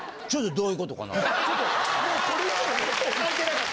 どういうことかな？